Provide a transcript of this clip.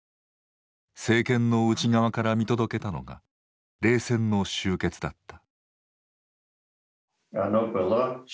政権の内側から見届けたのが冷戦の終結だった。